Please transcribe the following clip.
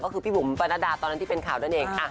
ก็คือพี่บุ๋มปรณดาตอนนั้นที่เป็นข่าวนั่นเอง